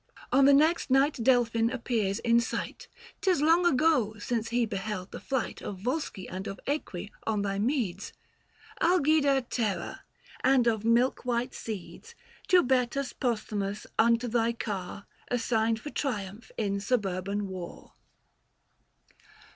On the next night Delphin appears in sight : 'Tis long ago since he beheld the flight Of Yolsci and of iEqui on thy meads, Algida terra ! and of milk white steeds, 870 Tubertus Postlmmus, unto thy car Assigned for triumph in suburban war.